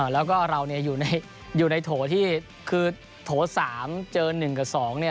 แล้วก็เราอยู่ในโถที่คือโถ๓เจอ๑กับ๒